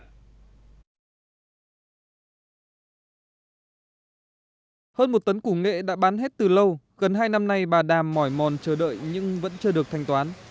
hơn một tấn củ nghệ đã bán hết từ lâu gần hai năm nay bà đàm mỏi mòn chờ đợi nhưng vẫn chưa được thanh toán